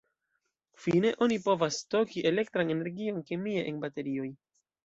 Fine, oni povas stoki elektran energion kemie en baterioj.